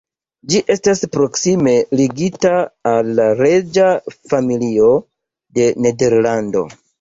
Ĝi estas proksime ligita al la reĝa familio de Nederlando.